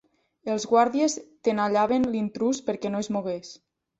Els guàrdies tenallaven l'intrús perquè no es mogués.